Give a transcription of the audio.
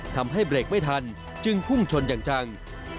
ทำให้เบรกไม่ทันจึงพุ่งชนอย่างจัง